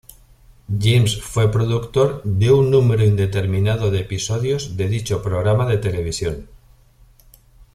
James fue productor de un número indeterminado de episodios de dicho programa de televisión.